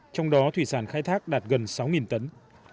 trong đó thủy sản khai thác đạt gần sáu tấn